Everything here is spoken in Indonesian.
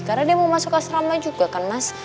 karena dia mau masuk asrama juga kan mas